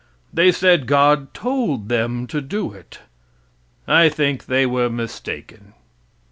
They said God told them to do it. I think they were mistaken.